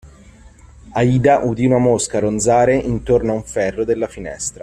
Aida udì una mosca ronzare intorno ad un ferro della finestra.